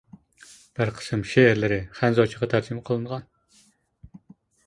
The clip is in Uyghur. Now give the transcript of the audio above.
بىر قىسىم شېئىرلىرى خەنزۇچىغا تەرجىمە قىلىنغان.